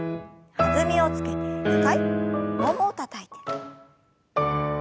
弾みをつけて２回ももをたたいて。